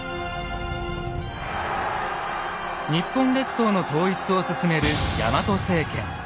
日本列島の統一を進めるヤマト政権。